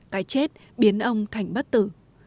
cái chết biến ông thành bất tử